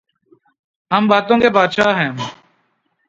ہم باتوں کے بادشاہ ہیں۔